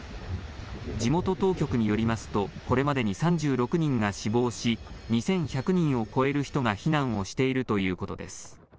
地元当局によりますとこれまでに３６人が死亡し２１００人を超える人が避難をしているということです。